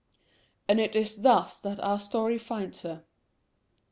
And it is thus that our story finds her.